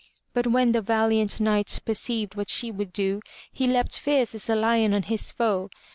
But when the valiant Knight perceived what she would do, he leapt fierce as a lion on his foe.